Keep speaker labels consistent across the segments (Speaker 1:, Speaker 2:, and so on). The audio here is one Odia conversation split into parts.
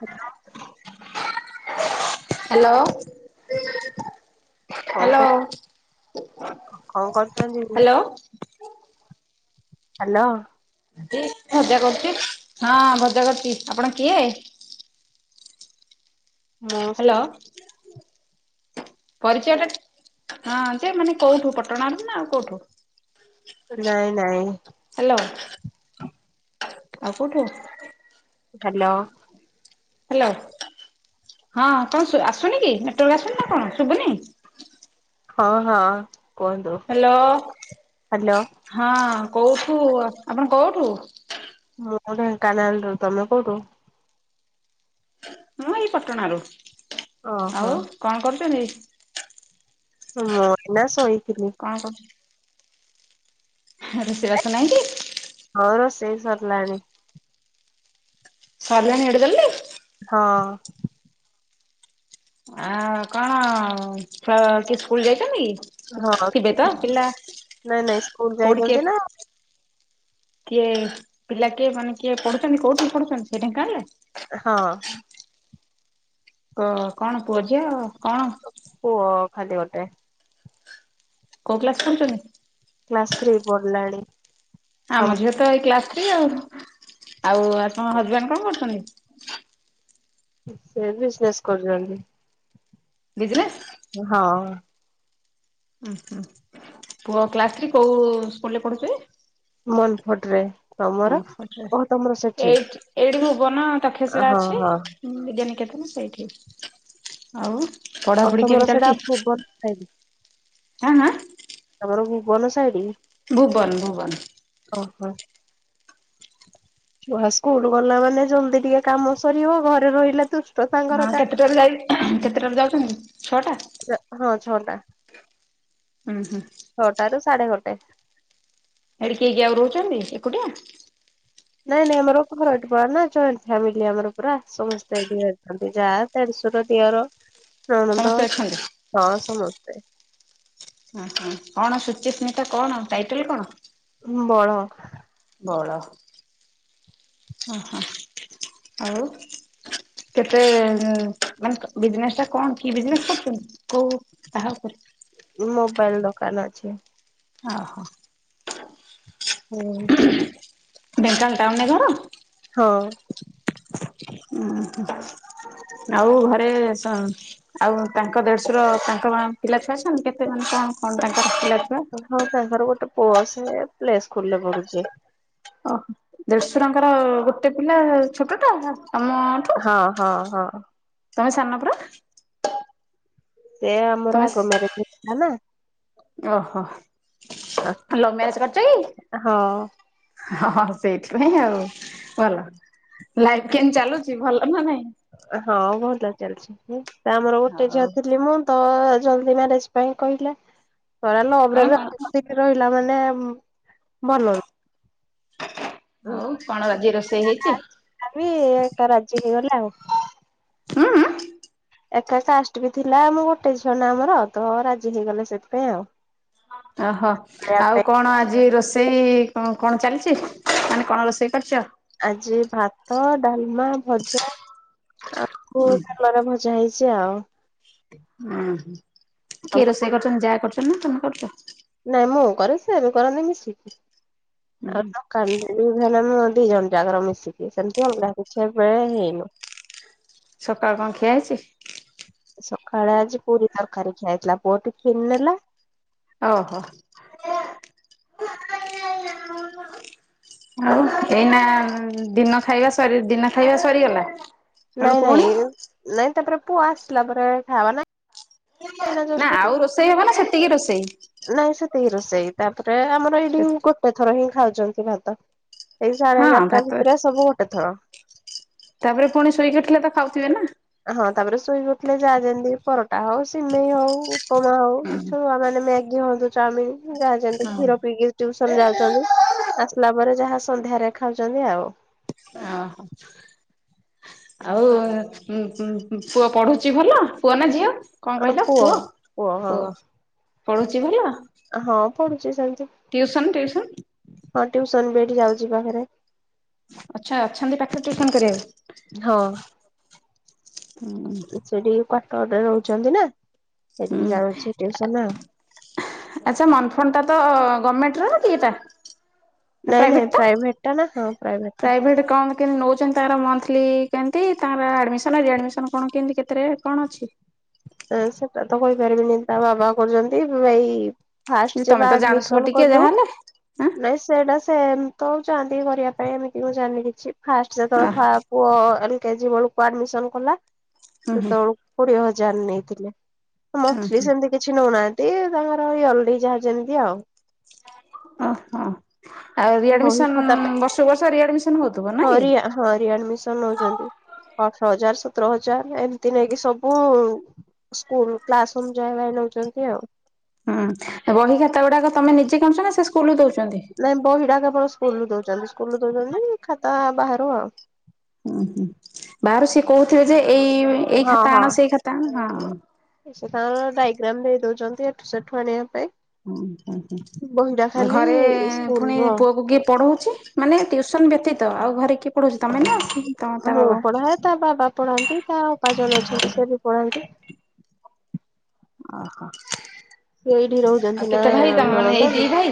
Speaker 1: ହାଲୋ।
Speaker 2: ହାଲୋ।
Speaker 1: କଣ
Speaker 2: ହାଲୋ
Speaker 1: କରୁ କଣ କରୁଛନ୍ତି?
Speaker 2: ହାଲୋ।
Speaker 1: ହ୍ୟାଲୋ।
Speaker 2: ଭଜା କରୁଛି ହଁ ଭଜା କରୁଛି ଆପଣ କିଏ?
Speaker 1: ହଁ ସେ।
Speaker 2: ହ୍ୟାଲୋ ପରିଚୟ ଟା ହଁ ସେ ମାନେ କୋଉଠୁ ପଟଣ ର ନା।
Speaker 1: ନାଇଁ ନାଇଁ।
Speaker 2: ହଁ। ଆଉ କଉଠୁ?
Speaker 1: ହ୍ୟାଲୋ।
Speaker 2: ହ୍ୟାଲୋ ହଁ କଣ ଆସୁନି କି? ମେଟ୍ରୋରେ ଆସୁନି ନା କଣ ଶୁଭୁନି?
Speaker 1: ହଁ ହଁ। କୁହନ୍ତୁ
Speaker 2: ହ୍ୟାଲୋ
Speaker 1: ହ୍ୟାଲୋ
Speaker 2: ହଁ। କୋଉଠୁ ଆପଣ କୋଉଠୁ?
Speaker 1: ମୁଁ ଢେଙ୍କାନାଳରୁ ତମେ କୋଉଠୁ?
Speaker 2: ମୁଁ ଏଇ ପଟଣ ରୁ।
Speaker 1: ଓହୋ
Speaker 2: ଆଉ କଣ କରୁଛନ୍ତି?
Speaker 1: ହୁଁ ଇନା ଶୋଇ।
Speaker 2: କଣ କରୁଛନ୍ତି? ରୋଷେଇବାସ ନାଇଁ କି?
Speaker 1: ହଁ ରୋସେଇ ସରିଲାଣି।
Speaker 2: ସରଲାଣୀ ଏତେ ଜଲଦି।
Speaker 1: ହଁ।
Speaker 2: ଆ କଣ କି ସ୍କୁଲ ଯାଇଛନ୍ତି କି?
Speaker 1: ହଁ
Speaker 2: ଥିବେ ତ ପିଲା
Speaker 1: ନାଇଁ ନାଇଁ ସ୍କୁଲ ଯାଇଛନ୍ତି
Speaker 2: କୋଠିକି?
Speaker 1: ନା
Speaker 2: କିଏ ପିଲା କିଏ ମାନେ କିଏ ପଢୁଛନ୍ତି କୋଉଠି ପଢୁଛନ୍ତି ସେଇଟା ଜାଣିଲେ?
Speaker 1: ହଁ।
Speaker 2: ହଁ କଣ ପୁଅ ଝିଅ? କଣ
Speaker 1: ଓ ଖାଲି ଗଟେ
Speaker 2: କଉ କ୍ଲାସ ପଢୁଛନ୍ତି?
Speaker 1: କ୍ଲାସ୍ ଥ୍ରୀ ପଢ଼ିଲାଣି।
Speaker 2: ଆମ ଝିଅ ତ ଏଇ କ୍ଲାସ ଥ୍ରୀ ଆଉ ଆଉ ଆପଣ ହଜବେଣ୍ଡ କଣ କରୁଛନ୍ତି?
Speaker 1: ସେ ବିଜନେସ୍ କରୁଛନ୍ତି।
Speaker 2: ବିଜିନେସ୍
Speaker 1: ହଁ।
Speaker 2: ଉ ହୁଁ ପୁଅ କ୍ଲାସ ଥ୍ରୀ କୋଉ ସ୍କୁଲରେ ପଢୁଛି?
Speaker 1: ମନ ଫଟ ରେ ତମର
Speaker 2: କଣପଟ ରେ
Speaker 1: ଓ ତମର ସେଠି
Speaker 2: ଏଇଠି ଏଇଠି ମୁ ପୁବନ ତକ୍ଷଶିଳା
Speaker 1: ହଁ
Speaker 2: ଅଛି
Speaker 1: ହଁ
Speaker 2: ବିଦ୍ୟାନିକେତନ ସେଇଠି ଆଉ।
Speaker 1: ଆଉ
Speaker 2: ପଢାପଢି
Speaker 1: ତମର
Speaker 2: କେମିତି
Speaker 1: ସେଟା
Speaker 2: ଚାଲିଛି
Speaker 1: ଭୁବନ ସାଇଡ
Speaker 2: ଆଁ ଆଁ
Speaker 1: ଘର ଭୁବନ ସାଇଡ
Speaker 2: ଭୁବନ ଭୁବନ
Speaker 1: ଓ ହୋ ଛୁଆ ସ୍କୁଲ ଗଲା ମାନେ ଜଲଦି ଟିକେ କାମ ସରିବ ଘରେ ରହିଲା ତୁ
Speaker 2: ହଁ କେତେଟାରେ ଯାଇ କେତେଟାଳେ ଯାଉଛନ୍ତି? ଛଅଟା
Speaker 1: ହଁ ଛଅଟା
Speaker 2: ଉୁଁ ହୁଁ
Speaker 1: ଛଅଟ ର ସାଢେ ଗ [inaudible]
Speaker 2: ଏଡି କିଏ କିଏ ଆଉ ରହୁଛନ୍ତି ଏକୁଟିଆ?
Speaker 1: ନାଇଁ ନାଇଁ ଆମର ଏଠି ପଡ ନା ଜଏଣ୍ଟ ଫାମିଲି ଆମର ପୁରା ସମସ୍ତେ ଏନ୍ତି ଯାହା ଦେ ଶଶୁର ଦିଅର ନଣନ୍ଦ
Speaker 2: ସମସ୍ତେ ଅଛନ୍ତି
Speaker 1: ହଁ ସମସ୍ତେ।
Speaker 2: ଓହ କଣ ସୁଚିସ୍ମିତା କଣ ଟାଇଟଲ କଣ?
Speaker 1: ବଡ।
Speaker 2: ବଡ ଆଉ। କେତେ ମାନେ ବିଜନେସ ଟା କଣ। କି ବିଜନେସ କରୁଛନ୍ତି। କୋଉ ତାହା ଉପରେ।
Speaker 1: ମୋବାଇଲ ଦୋକାନ ଅଛି।
Speaker 2: ଓ ହୋ।
Speaker 1: ହୁଁ।
Speaker 2: ବେଙ୍ଗାଲ ଟାଉନରେ ଘର।
Speaker 1: ହଁ।
Speaker 2: ହଁ ଆଉ ଘରେ ସ- ଆଉ ତାଙ୍କ ଦେଢଶୁର ତାଙ୍କ ପିଲା ଛୁଆ ଅଛନ୍ତି। କେତେ ଜଣ କଣ କଣ ତାଙ୍କର? ପିଲା ଛୁଆ
Speaker 1: ହଁ ତାଙ୍କର ଗୋଟେ ପୁଅ ସେ ପ୍ଲେସ୍କୁଲରେ ପଢ଼ୁଛି।
Speaker 2: ଓହୋ ଦେଢଶୁରଙ୍କର ଗୋଟେ ପିଲା ଛୋଟଟା ହାଁ।
Speaker 1: ହଁ ହଁ ହଁ।
Speaker 2: ତମେ ସାନପରା।
Speaker 1: ସେ ଆମର ଆଗ ମ୍ୟାରେଜ ହେଇଥିଲା ନା।
Speaker 2: ଓହୋ ଲଭ ମ୍ୟାରେଜ କରିଛ
Speaker 1: ହଁ।
Speaker 2: କି? ହଁ ସେଇଥିପାଇଁ ଆଉ ଭଲ। ଲାଇଫ କେମତି ଚାଲୁଛି ଭଲ ନା ନାଇଁ?
Speaker 1: ହଁ ଭଲ ଚାଲିଛି। ଆମର ଗୋଟେ ଝିଅ
Speaker 2: ହଉ
Speaker 1: ଥିଲି ମୁଁ ତ- ଜଲଦି ମ୍ୟାରେଜ ପାଇଁ କହିଲେ। ଧରା
Speaker 2: କଣ
Speaker 1: ଲଭରେ
Speaker 2: କଣ
Speaker 1: ଏତେ ଦିନ ରହିଲା ମାନେ- ମେମ ଭଲ। ନୁହଁ।
Speaker 2: ହଉ କଣ ଆଜି ରୋଷେଇ ହେଇଛି?
Speaker 1: ବି ଏକା ରାଜି ହେଇଗଲେ ଆଉ
Speaker 2: ଉଁ ଉଁ?
Speaker 1: ଏକା କାଷ୍ଟ ବି ଥିଲା ଆମ ଗୋଟେ ଝିଅ ନା ଆମର ତ ରାଜି ହେଇଗଲେ ସେଥିପାଇଁ ଆଉ।
Speaker 2: ଅହୋ
Speaker 1: ଖାଇବା
Speaker 2: ଆଉ
Speaker 1: ପାଇଁ
Speaker 2: କଣ ଆଜି ରୋଷେଇ? ରୋଷେଇ କଣ କଣ ଚାଲିଚି ମାନେ କଣ ରୋଷେଇ କରିଚ?
Speaker 1: ଆଜି ଭାତ ଡାଲମା ଭଜା ଆଳୁ କଲରା ଭଜା ହେଇ ଚି ଆଉ।
Speaker 2: ଉଁ ହୁଁ କିଏ ରୋଷେଇ କରୁଚନ୍ତି ଯା କରୁଚନ୍ତି ନା ତମେ କରୁଚ?
Speaker 1: ନାଇଁ ମୁଁ କରେ ସେ ବି କରନ୍ତି ମିଶିକି
Speaker 2: ହୁଁ
Speaker 1: ଆଉ ଦୋକାନରେ ତି ହେଲେ ଆମେ ଦି ଜଣ ଜାକର ମିଶିକି ସେମିତି ଅଗଲା କିଛି ଏବେ ହେଇନୁ।
Speaker 2: ସକାଳ କଣ ଖିଆ ହେଇଚି?
Speaker 1: ସକାଳେ ଆଜି ପୁରୀ ତରକାରୀ ଖିଆହେଇଥିଲା ପୁଅ ଟିଫିନ୍ ନେଲା
Speaker 2: ଓହୋ! ଆଉ ଏଇନା ଦିନ ଖାଇବା ସରି ଦିନ ଖାଇବା ସରିଗଲା। ସେଠୁ
Speaker 1: ନାଇଁ
Speaker 2: ପୁଣି
Speaker 1: ନାଇଁ ନାଇଁ ତାପରେ ପୁଅ ଆସିଲା ପରେ ଖାବାର ନାଇ
Speaker 2: ନା ଆଉ ରୋଷେଇ ହବ ନା ସେତିକି ରୋଷେଇ?
Speaker 1: ନାଇଁ ସେତିକି ରୋଷେଇ ତାପରେ ଆମର ଏଇଠି ଗୋଟେ ଥର ହିଁ ଖାଉ ଛନ୍ତି ଭାତ ଏଇ ସାଢେ
Speaker 2: ହଁ
Speaker 1: ଏଗାରଟା
Speaker 2: ଭାତ
Speaker 1: ଭିତରେ ସବୁ ଗୋଟେ ଥର।
Speaker 2: ତାପରେ ପୁଣି ଶୋଇକି ଉଠିଲେ ତ ଖାଉଥିବେ ନା।
Speaker 1: ହଁ ତାପରେ ଶୋଇକି ଉଠଥିଲେ ଯାହା ଯେମିତି ପରଟା ହଉ ସିମେଇ ହଉ ଉପମା ହଉ ଛୁଆ ମାନେ ମ୍ୟାଗି ହଅନ୍ତୁ ଚାଉମିନ ଯାହା ଯେମିତି
Speaker 2: ହଁ
Speaker 1: କ୍ଷୀର ପିଇକି ଟିଉସନ୍ ଯାଉଛନ୍ତି ଆସିଲା ପରେ ଯାହା ସନ୍ଧ୍ୟାରେ ଖାଉଛନ୍ତି ଆଉ।
Speaker 2: ଓ ହୋ! ଆଉ ପୁଅ ପଢୁଛି ଭଲ ପୁଅ ନା ଝିଅ? କଣ କହିଲ ପୁଅ ପୁଅ ପଢୁଛି ଭଲ
Speaker 1: ହଁ ପଡୁଛି ସେମ
Speaker 2: ଟିଉସନ୍ ଟିଉସନ୍
Speaker 1: ସନ ବି ଏଠି ଯାଉଛି ପାଖରେ।
Speaker 2: ଆଚ୍ଛା ଅଛନ୍ତି ପାଖରେ ଟ୍ୟୁସନ କରିବା
Speaker 1: ହଁ
Speaker 2: ହୁଁ
Speaker 1: ସେଇଠି କ୍ୱାର୍ଟରରେ ରହୁଛନ୍ତି ନା। ସେଠିକି
Speaker 2: ହୁଁ
Speaker 1: ଯାଉଛି ଟିଉସନ୍ ଆଉ।
Speaker 2: ଆଚ୍ଛା ମନଫଣ୍ଡଟା ତ ଗମେଣ୍ଟର ନା କିଏଟା?
Speaker 1: ନାଇଁ ନାଇଁ
Speaker 2: ପ୍ରାଇଭେଟ ଟା
Speaker 1: ଟା ନା ହଁ
Speaker 2: ପ୍ରାଇଭେଟ କଣ କେମିତି ନଉଛନ୍ତି ତାର ମଥ୍ଥ ଲି କେମତି ତାଙ୍କର ଆଡମିସନ ରିଆଡମିସନ କଣ କେମତି କେତେରେ କଣ ଅଛି?
Speaker 1: ଏ ସେଟା ତ କହିପାରିବିନି ତା ବାବା କରୁଛନ୍ତି ଏଇ
Speaker 2: ଯେ
Speaker 1: ଫାଷ୍ଟ ଯେବେ
Speaker 2: ତମେ ତ ଜାଣୁଥିବ
Speaker 1: ଆଡମିସନ
Speaker 2: ଟିକେ
Speaker 1: କଲୁ
Speaker 2: ଯାହାହେଲେ ଆଁ
Speaker 1: ନାଇ ସେଇଟା ସେ ତଉ ଯାନ୍ତିି କରିବା ପାଇଁ ଏମିତି ମୁଁ ଜାଣିନି କିଛି ଫାଷ୍ଟ
Speaker 2: ଅ
Speaker 1: ଯେତେବେଳେ ଫା ପୁଅ ଏଠି କେଜି ବେଳକୁ ଆଡମିସନ କଲା
Speaker 2: ହୁଁ ହୁଁ
Speaker 1: ସେତେବେଳକୁ କୋଡିଏ ହଜାର ନେଇଥିଲେ।
Speaker 2: ହୁଁ
Speaker 1: ମଥ୍ଥଲି
Speaker 2: ହୁଁ
Speaker 1: ସେମିତି କିଛି ନଉନାହାନ୍ତି ତାଙ୍କର ଏଇ ଯାହା ଯେମିତି ଆଉ
Speaker 2: ଓ ହୋ! ଆଉ
Speaker 1: ବହି
Speaker 2: ରିଆଡମିସନ୍
Speaker 1: ଖାତା
Speaker 2: ବର୍ଷକୁ ବର୍ଷ ରିଆଡମିସନ୍ ହଉଥୁବ ନା କି।
Speaker 1: ହରିଆ ହଁ ରିଆଡମିସନ ନଉଛନ୍ତି। ଅଠର ହଜାର ସତର ହଜାର ଏମତି ନେଇକି ସବୁ ସ୍କୁଲ କ୍ଲାସ ଅନୁଯାୟୀ ନୋ ଛନ୍ତି ଆଉ।
Speaker 2: ହୁଁ ବହି ଖତା ଗୁଡାକ ତମେ ନିଜେ କିଣୁଛ ନା ସେ ସ୍କୁଲ ଦଉ
Speaker 1: ନାଇଁ ବହିଟା କେବଳ ସ୍କୁଲରୁ ଦଉଛନ୍ତି ସ୍କୁଲରୁ ଦଉଛନ୍ତି ଖାତା ବାହାରୁ ଆଉ।
Speaker 2: ହୁଁ, ହୁଁ, ବାହାରୁ ସିଏ କହୁଥିବେ ଯେ ଏଇ ଏଇ
Speaker 1: ହଁ
Speaker 2: ଖାତା
Speaker 1: ହଁ
Speaker 2: ଆଣ ସେଇ ଖାତା ଆଣ ହଁ।
Speaker 1: ସେ ତାଙ୍କର ଡାଇଗ୍ରାମ ଦେଇ ଦଉଛନ୍ତି ଏଠୁ ସେଠୁ ଆଣିବା ପାଇଁ।
Speaker 2: ହୁଁ, ହୁଁ,
Speaker 1: ବହିଟା
Speaker 2: ହୁଁ।
Speaker 1: ଖାଲି
Speaker 2: ଘରେ ପୁଣି
Speaker 1: ସ୍କୁଲର
Speaker 2: ପୁଅକୁ କିଏ ପଢଉଛି ମାନେ ଟ୍ୟୁସନ ବ୍ୟତୀତ ଆଉ ଘରେ କିଏ ପଢଉଛି ତମେ ନା ତମ ତା
Speaker 1: ମୁଁ
Speaker 2: ବାବା?
Speaker 1: ପଢାଏ ତା ବାବା ପଢ଼ାନ୍ତି ତା ଅପା ଜଣେ ଅଛନ୍ତି ସେ ବି ପଢାନ୍ତି।
Speaker 2: ଓହୋ!
Speaker 1: ସେ ଏଇଠି ରହୁଛନ୍ତି ନା
Speaker 2: ଏଇ
Speaker 1: ନଣଦ ବି।
Speaker 2: ଦି ଭାଇ?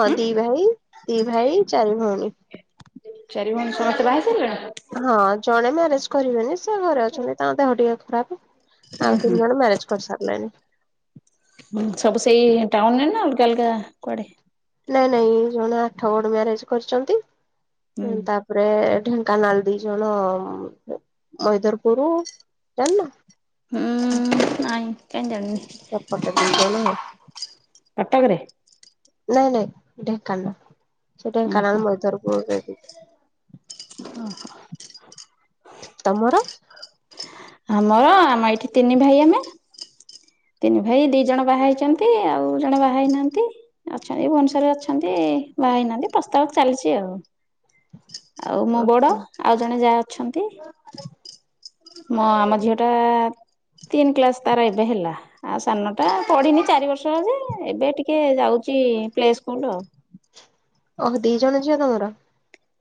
Speaker 1: ହଁ
Speaker 2: ଉଁ
Speaker 1: ଦି ଭାଇ ଦି ଭାଇ ଚାରି ଭଉଣୀ।
Speaker 2: ଚାରି ଭଉଣୀ ସମସ୍ତେ ବାହା ହେଇ ସାରିଲଣି।
Speaker 1: ହଁ ଜଣେ ମ୍ୟାରେଜ କରିବେନି ସେ ଘରେ ଅଛନ୍ତି ତାଙ୍କ ଦେହ ଟିକେ ଖରାପ।
Speaker 2: ହୁଁ
Speaker 1: ଆଉ ତିନି ଜଣ ମ୍ୟାରେଜ କରିସାରିଲେଣି।
Speaker 2: ହୁଁ, ସବୁ ସେଇ ଟାଉନରେ ନା ଅଲଗା ଅଲଗା କୁଆଡେ?
Speaker 1: ନାଇଁ ନାଇଁ ଜଣେ ଆଠ ଗଡ ମ୍ୟାରେଜ
Speaker 2: ହୁଁ
Speaker 1: କରିଛନ୍ତି ତାପରେ ଢେଙ୍କାନଳ ଦି ଜଣ ମଇଦରପୁର, ଯାଣିନ?
Speaker 2: ହୁଁ ନାଇଁ କାଇଁ ଯାଣିନି।
Speaker 1: ସେପଟେ ଦି ଜଣ ନାଇଁ
Speaker 2: ଟକରେ
Speaker 1: ନାଇଁ ନାଇଁ ଢେଙ୍କାନାଳ ସେଇ
Speaker 2: ଓହୋ
Speaker 1: ଢେଙ୍କାନାଳ ମଇଧରପୁରରେ ବି
Speaker 2: ଓହୋ।
Speaker 1: ତମର?
Speaker 2: ଆମର ଆମେ ଏଇଠି ତିନି ଭାଇ ଆମେ। ତିନି ଭାଇ ଦି ଜଣ ବାହା ହେଇଚନ୍ତି ଆଉ ଜଣ ବାହା ହେଇନାହାନ୍ତି ଅଛନ୍ତି ଭୁବନେଶ୍ୱରରେ ଅଛନ୍ତି ସେ ବାହା ହେଇନାହାନ୍ତି ପ୍ରସ୍ତାବ ଚାଲିଚି ଆଉ। ଆଉ ମୋ ବଡ ଆଉ ଜଣେ ଯାହା ଅଛନ୍ତି। ମ ଆମ ଝିଅ ଟା ତିନି କ୍ଲାସ ତାର ଏବେ ହେଲା ଆ ସାନ ଟା ପଢିନି ଚାରି ବର୍ଷ ଯେ ଏବେ ଟିକେ ଯାଉଚି ଚି ପ୍ଲେ ସ୍କୁଲ ଆଉ।
Speaker 1: ଓହୋ ଦି ଜଣ ଝିଅ ତମର?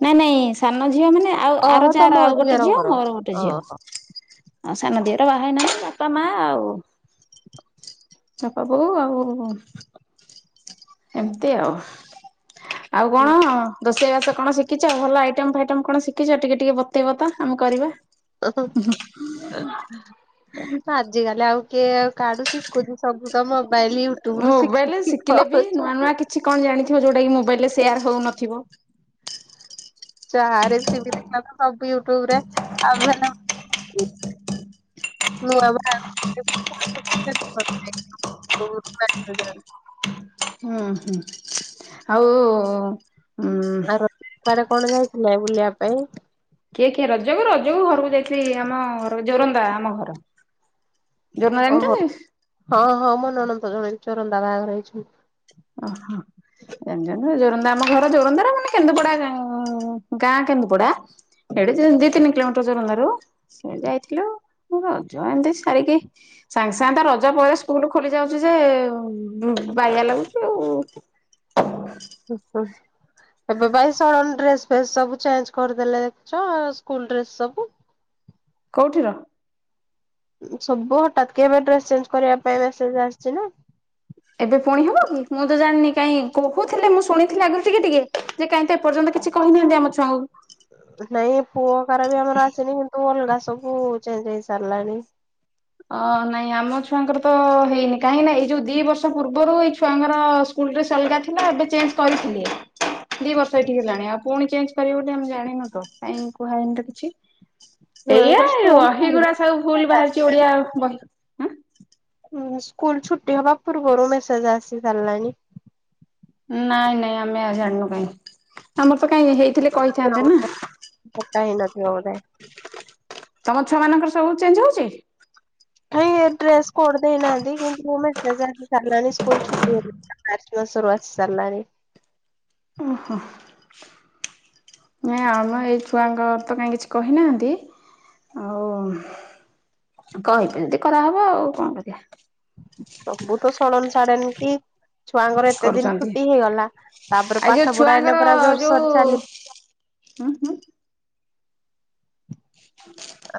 Speaker 2: ନାଇଁ ନାଇଁ ସାନ ଝିଅ ମାନେ ଆଉ ଆର
Speaker 1: ଓହୋ ତମ
Speaker 2: ଯାର ଆଉ ଗୋଟେ ଝିଅ
Speaker 1: ଦିଅରଙ୍କର
Speaker 2: ମୋର ଗୋଟେ ଝିଅ।
Speaker 1: ଓହୋ।
Speaker 2: ହଁ ସାନ ଝିଅଟା ବାହା ହେ ନାହିଁ ବାପା ମା ଆଉ। ତାପବଉ ଆଉ ଏମିତି ଆଉ ଆଉ କଣ ଦ ରୋଷେଇବାସ କଣ ଶିଖିଛ ଭଲ ଆଇଟମ ଫାଇଟମ କଣ ଶିଖିଛ ଟିକେ ଟିକେ ବତେଇବ ତ ଆମେ କରିବା।
Speaker 1: [unintelligible] ଆଜିିକାଲି ଆଉ କିଏ କାଢୁଷି ସବୁ ତ ମୋବାଇଲ ୟୁଟ୍ୟୁବ ରୁ
Speaker 2: ମୋବାଇଲରେ
Speaker 1: ଶିଖିକି
Speaker 2: ଶିଖିଲେ ବି
Speaker 1: କର
Speaker 2: ନୂଆ ନୂଆ କିଛି କଣ ଜାଣିଥିବ ଯୋଉଟା ମୋବାଇଲରେ ସେୟାର ହଉନଥିବ।
Speaker 1: ଚା ରେସିପି ଦେଖ ସବୁ ୟୁଟୁବରେ ଆ [unintelligible] [unintelligible]
Speaker 2: ହୁଁ ହୁଁ ଆଉ ଉଁ
Speaker 1: ଆ ରଡ କଣ ଯାଇଥିଲେ ବୁଲିବା ପାଇଁ?
Speaker 2: କିଏ କିଏ ରଜକୁ ରଜକୁ ଘରକୁ ଯାଇଥିଲି ଆମ ଘ ଜୋରନ୍ଦା ଆମ ଘର। ଜୋରନ୍ଦା
Speaker 1: ଓହୋ
Speaker 2: ଜାଣିଛନ୍ତି
Speaker 1: ହଁ ହଁ ମୋ ନଣନ୍ଦ ଜଣେ ଚୋରନ୍ଦା ବାହା ରହିଛି।
Speaker 2: ଓହୋ। ଜ ଜୋରନ୍ଦା ଆମ ଘର ଜୋରନ୍ଦାର ମାନେ କେନ୍ଦୁପଡା ଗାଁ କେନ୍ଦୁପଡା। ଏ ଦି ତିନି କିଲୋମିଟର ଦୋରନ୍ଦା ସେ ଆଥିଲୁ ରଜ ଏମିତି ସାରିକି ସାଙ୍ଗେ ସାଙ୍ଗେ ତ ରଜ ପରେ ସ୍କୁଲୁ ଖୋଲି ଯାଉଛି ଯେ ବାଇଆ ଲାଗୁଛି ଆଉ।
Speaker 1: ହ ହୋ [unintelligible] ଭାଇ ସଳନ ଡ୍ରେସ ଫ ସବୁ ଚେଞ୍ଜ କରିଦେଲେ ଦେଖୁଚ ସ୍କୁଲ ଡ୍ରେସ ଫେସ ସବୁ
Speaker 2: କୋଉଠି ର
Speaker 1: ସବୁ ହଠାତ୍ କେ ଏବେ ଡ୍ରେସ ଚେଞ୍ଜ କରିବା ପାଇଁ ମେସେଜ ଆସିଛି ନା।
Speaker 2: ଏବେ ଫଣି ହବ କି? ମୁଁ ତ ଜାଣିନି କାଇଁ କୋହୁଥିଲେ ମୁଁ ଶୁଣିଥିଲି ଆଗରୁ ଟିକେ ଟିକେ ଯେ କାଇଁ ତ ଏପର୍ଯ୍ୟନ୍ତ କିଛି କହିନାହାନ୍ତି ଆମ ଛୁଆଁକୁ
Speaker 1: ନାଇଁ ପୁଅ କାର ବି ଆମର ଅଛିନି କିନ୍ତୁ ଅଲଗା ସବୁ [unintelligible] ଚେଞ୍ଜ ହେଇ ସାରିଲାଣି।
Speaker 2: ଅ ନାଇଁ ଆମ ଛୁଆଙ୍କର ତ ହେଇନି କାହିଁକି ନା ଏଇ ଯୋଉ ଦି ବର୍ଷ ପୂର୍ବରୁ ଏଇ ଛୁଆଙ୍କର ସ୍କୁଲ୍ ଡ୍ରେସ୍ ଅଲଗା ଥିଲା ଏବେ ଚେଞ୍ଚ କରିଥିଲେ। ଦି ବର୍ଷ ଏଠିକି ହେଲାଣି ଆଉ ପୁଣି ଚେଞ୍ଚ କରିବୁ ଗୋଟେ ଆମେ ଜାଣିନୁ ତ କାଇଁ କୁହା ହେଇନି ତ କିଛି। ଏଇଆ
Speaker 1: ମାଙ୍କର
Speaker 2: ଏଇ
Speaker 1: ସ୍କୁଲ ପୂର୍ବ
Speaker 2: ବହିଗୁଡ଼ା ସବୁ ଭୁଲ
Speaker 1: ଡ୍ରେସ
Speaker 2: ବାହାରିଚି ଓଡିଆ ବହି
Speaker 1: ହଁ ସ୍କୁଲ ଛୁଟି ହବା ପୂର୍ବରୁ ମେସେଜ ଆସି ସରିଲାଣି।
Speaker 2: ନାଇଁ ନାଇଁ ଆମେ ଆଉ ଜାଣିନୁ କାଉଁ ଆମର ତ କାଇଁ ହେଇ ଥିଲେ କହିଥାନ୍ତେ ନା?
Speaker 1: କଟା ହେଇନଥିବ ବୋଧେ।
Speaker 2: ତମ ଛୁଆ ମାନଙ୍କର ସବୁ ଚେଞ୍ଜ ହଉଛି?
Speaker 1: କାଇଁ ଏ ଡ୍ରେସ କୋଡ ଦେଇନାହାନ୍ତି କିନ୍ତୁ ମୁ। [unintelligible] ସ୍କୁଲ୍ ଛୁଟି [unintelligible] ମାର୍ଚ୍ଚ ମାସ ରୁ ଆସି ସାରଲାଣି।
Speaker 2: ଓହୋ। ନାଇ ଆମ ଏଇ ଛୁଆଙ୍କର ତ କାହିଁ କିଛି କହିନାହାନ୍ତି? ଆଉ କହିବି ଯଦି କରାହବ ଆଉ କଣ କରିବା?
Speaker 1: ସବୁ ତ ସଡ଼ନ ସାଡେନ କି ଛୁଆଙ୍କର ଏତେ ଦିନ
Speaker 2: କରୁଛନ୍ତି।
Speaker 1: ଛୁଟି ହେଇଗଲା ତାପରେ
Speaker 2: ଆଉ ଯୋଉ
Speaker 1: ପାଠ ପଢା ଏଇନା ପୁରା ଜୋରସରେ ଚାଲି
Speaker 2: ହୁଁ ହୁଁ।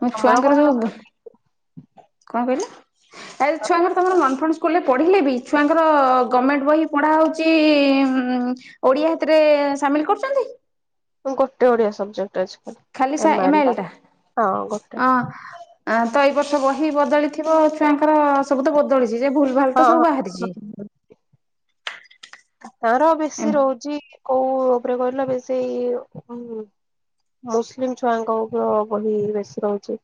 Speaker 2: ମୋ
Speaker 1: ତମର
Speaker 2: ଛୁଆଙ୍କର ଯୋଉ
Speaker 1: କଣ
Speaker 2: କଣ କଇଲେ? ଆରେ ଛୁଆଙ୍କର ତମର [unintelligible] ସ୍କୁଲରେ ପଢ଼ିଲେ ବି ଛୁଆଙ୍କର ଗଭର୍ଣ୍ଣମେଣ୍ଟ ବହି ପଢ଼ା ହେଉଛି ଓଡ଼ିଆଥିରେ ଏ ସାମିଲ କରୁଚନ୍ତି?
Speaker 1: ମ୍ ଗୋଟେ ଓଡିଆ ସବଜେକ୍ଟ।
Speaker 2: ଖାଲି ସା ଏମାଏଲ ଟା
Speaker 1: ହଁ ଗୋଟେ
Speaker 2: ଅ ଆ ତ ଏଇ ବର୍ଷ ବହି ବଦଳିଥିବ ଛୁଆଙ୍କର ସବୁ ତ ବଦଳିଚି। ଯେ ଭୁଲ ଭାଲ
Speaker 1: ହଁ
Speaker 2: ତ
Speaker 1: ହଁ।
Speaker 2: ସବୁ ବାହାରିଛି।
Speaker 1: ତାର ବେଶୀ
Speaker 2: ଏମ୍
Speaker 1: ରହୁଛି କୋଉ ଉପରେ କହିଲ ବେଶୀ ଉଁ ମୁସଲିମ୍ ଛୁଆଙ୍କ ଉପିୟ ବହି ବେଶୀ ରହୁଚି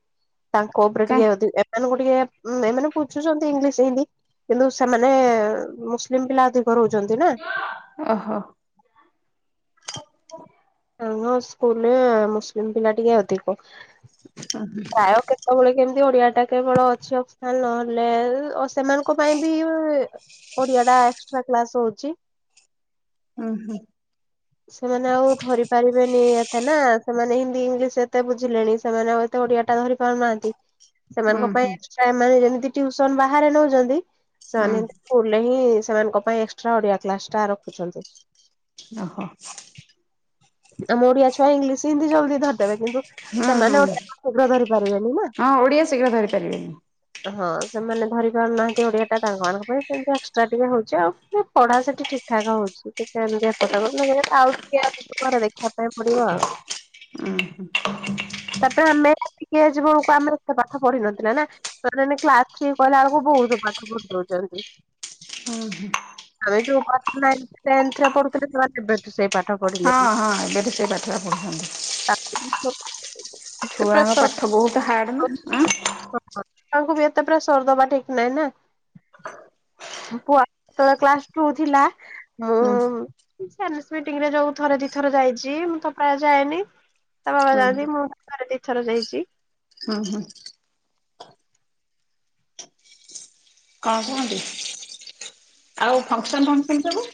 Speaker 1: ତାଙ୍କ ଉପରେ
Speaker 2: କାଇଁ
Speaker 1: ଟିକେ ଅଧିକ ଏମାନଙ୍କୁ ଟିକେ ଏମାନେ ବୁଝୁଛନ୍ତି ଇଂଲିଶ ହିନ୍ଦୀ କିନ୍ତୁ ସେମାନେ ମୁସଲିମ ପିଲା ଅଧିକ ରହୁଛି। ଛନ୍ତି ନା।
Speaker 2: ଓହୋ।
Speaker 1: ସାଙ୍ଗ ସ୍କୁଲରେ ମୁସଲିମ୍ ପିଲା ଟିକେ ଅଧିକ। ପ୍ରାୟ କେତେବେଳେ କେମତି ଓଡିଆ। ଟା କେବଳ ଅଛି ଅକ୍ସଲ ନହେଲେ ଆ ସେମାନଙ୍କ ପାଇଁ ବି ଏ ଓଡିଆ ଟା ଏକସ୍ଟ୍ରା କ୍ଲାସ ହଉଚି।
Speaker 2: ଉଁ ହୁଁ।
Speaker 1: ସେମାନେ ଆଉ ଧରି ପାରିବେନି ଏତେ ନା ସେମାନେ ହିନ୍ଦୀ ଇଂଲିଶ ଏତେ ବୁଝିଲେଣି ସେମାନେ ଆଉ ଏତେ ଓଡିଆ ଟା ଧରି ପାରୁନାହାନ୍ତି।
Speaker 2: ହୁଁ
Speaker 1: ସେମାନଙ୍କ ପାଇଁ
Speaker 2: ହୁଁ
Speaker 1: ଏକ୍ସଟ୍ରା ଏମ୍ ଆଇ ଏଲ୍ ଯେମିତି ଟିଉସନ ବାହାରେ ନଉଚନ୍ତି
Speaker 2: ହୁଁ
Speaker 1: ସେମାନେ ସେମିତି ସ୍କୁଲରେ ହିଁ। ସେମାନଙ୍କ ପାଇଁ ଏକଷ୍ଟ୍ରା୍ ଓଡିଆ କ୍ଲାସ ଟା ରଖୁଚନ୍ତି।
Speaker 2: ଓହୋ।
Speaker 1: ଆମ ଓଡିଆ ଛୁଆ ଇଂଲିଶ ହିନ୍ଦୀ ଜଲଦି ଧରି ଦେବେ କିନ୍ତୁ
Speaker 2: ହୁଁ
Speaker 1: ସେମାନେ
Speaker 2: ହୁଁ
Speaker 1: ଗୋଟେ [inaudible] ଶୀଘ୍ର ଧରିପାରିବେନି ନା।
Speaker 2: ହଁ ଓଡିଆ ଶୀଘ୍ର ଧରି ପାରିବେନି
Speaker 1: ହଁ। ସେମାନେ ଧରି ପାରୁନାହାନ୍ତି ଓଡିଆଟା ତାଙ୍କା ମାନଙ୍କ ପାଇଁ ସେମିତି ଏକ୍ସଟ୍ରା ଟିକେ ହୋଉଚି ଆଉ ସେ ପଢା ସେଠି ଠିକ୍ ଠାକ୍ ହୋଉ ସେ ତ ଚାହୁଁ ନାହାଁନ୍ତି ଏପଟ ହୋଉ [unintelligible] ମାନେ ଆଉ ଟିକେ ଆ ଘରେ ଦେଖିବା ପାଇଁ ପଡିବ ଆଉ।
Speaker 2: ହୁଁ।
Speaker 1: ତାପରେ ଆମେ ଏତିକି ଏଜ୍ ରୁ ଆମେ ଏତେ ପାଠ ପଢିିନଥିଲେ ନା। [unintelligible] କ୍ଲାସ ଥ୍ରୀ କହିଲା ବେଳକୁ ବୋହୁତୁ ପାଠ ପଢୁ [unintelligible] ଚନ୍ତି।
Speaker 2: ହୁଁ ହୁଁ।
Speaker 1: ଆମେ ଯୋଉ ପାଠ ନାଇନି ଟେନ୍ଥ ପଢୁଥିଲେ ସେମାନେ ଏବେଠୁ ସେଇ ପାଠ
Speaker 2: ହଁ
Speaker 1: ପଢିଲେଣି।
Speaker 2: ହଁ ଏବେଠୁ ସେଇ ପଢୁଛନ୍ତି।
Speaker 1: ଏତେ
Speaker 2: ଛୁଆଙ୍କ
Speaker 1: ପ୍ରେସର
Speaker 2: ପାଠ ବୋହୁତ ହାର୍ଡ ନା ଆ
Speaker 1: ତାପରେ ସରଦବା [unintelligible] ଠିକ୍ ନାହିଁ ନା। ପୁଅ ଯେତେବେଳେ କ୍ଲାସ ଟୁ ଥିଲା। ହୁଁ [unintelligible] ମିଂଟିଙ୍ଗରେ ଯୋଉ ଥରେ ଦି ଥର ଯାଇଚି। ମୁଁ ତ ପ୍ରାୟ ଯାଏନି ତା ବାବ ଯାଆନ୍ତି। ମୁଁ ଥରେ ଦି ଥର ଯାଇଚି।
Speaker 2: ଉଁ ହୁଁ। କଣ କୁହନ୍ତି ଆଉ ଫଙ୍କସନ୍ ଫଙ୍କସନ୍ ସବୁ